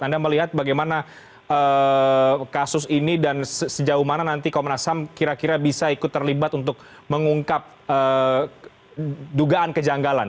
anda melihat bagaimana kasus ini dan sejauh mana nanti komnas ham kira kira bisa ikut terlibat untuk mengungkap dugaan kejanggalan